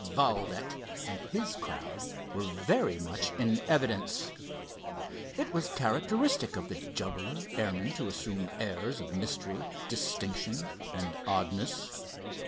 Valdec and his crowd were very much in evidence. It was characteristic of the juggler airman to assume airs of mystery, distinction and oddness.